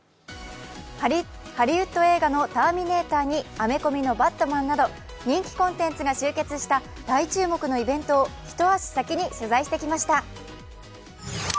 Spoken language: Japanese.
ハリウッド映画の「ターミネーター」にアメコミの「バットマン」など人気コンテンツが集結した大注目のイベントを一足先に取材してきました。